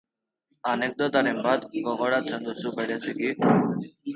Anekdotaren bat gogoratzen duzu bereziki?